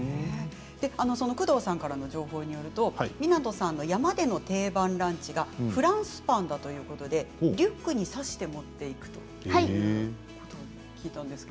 工藤さんからの情報によると湊さんの山での定番ランチはフランスパンということでリュックに差して持っていくそうですね。